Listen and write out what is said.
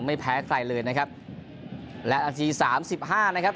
ไม่แพ้ใครเลยนะครับและนาทีสามสิบห้านะครับ